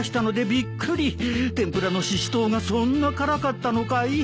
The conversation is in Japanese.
天ぷらのししとうがそんな辛かったのかい？